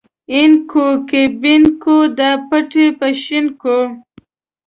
اين کوې که بېن کوې دا پټی به شين کوې.